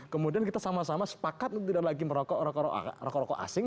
kemudian kita sama sama sepakat untuk tidak lagi merokok rokok rokok asing